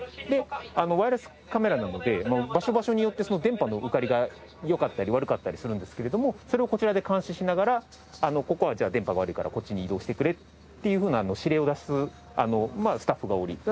でワイヤレスカメラなので場所場所によって電波の受かりが良かったり悪かったりするんですけれどもそれをこちらで監視しながらここはじゃあ電波悪いからこっちに移動してくれっていうふうな指令を出すスタッフがおり。